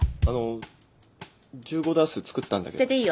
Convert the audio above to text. あの１５ダース作ったんだけど。